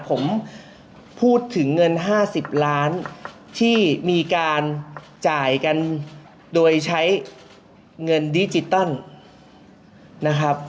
ผมพูดถึงเงิน๕๐ล้านที่มีการจ่ายกันโดยใช้เงินดิจิตอลนะครับ